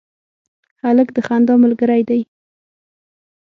هلک د خندا ملګری دی.